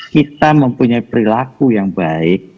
kita mempunyai perilaku yang baik